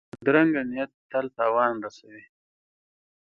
بدرنګه نیت تل تاوان رسوي